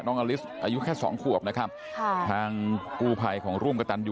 น้องอลิสต์อายุแค่สองขวบนะครับค่ะทางกรุภัยของร่วมกปีฯ